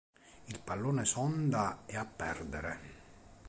Il pallone sonda è a perdere.